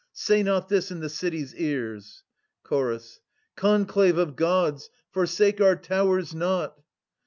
— ^say not this in the city's eats. 250 Chorus. Conclave of Gods, forsake our towers not